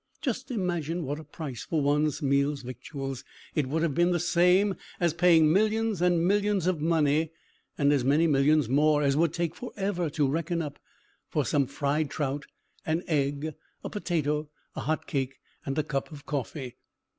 Just imagine what a price for one meal's victuals! It would have been the same as paying millions and millions of money (and as many millions more as would take forever to reckon up) for some fried trout, an egg, a potato, a hot cake, and a cup of coffee!